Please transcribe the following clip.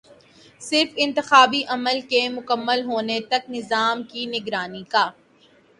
صرف انتخابی عمل کے مکمل ہونے تک نظام کی نگرانی کا